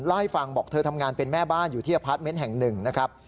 เล่าให้ฟังบอกเธอทำงานเป็นแม่บ้านอยู่ที่อพาร์ทเมนต์แห่งหนึ่งนะครับ